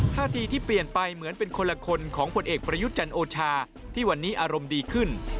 ท่าทีที่เปลี่ยนไปเหมือนเป็นคนละคนของผลเอกประยุทธ์จันโอชาที่วันนี้อารมณ์ดีขึ้น